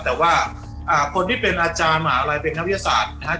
แต่ว่าคนที่เป็นอาจารย์มหาลัยเป็นนักวิทยาศาสตร์นะครับ